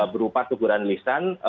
berupa keguran lisan